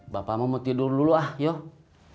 bapak mau tidur dulu ah yoh